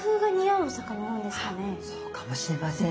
あっそうかもしれません。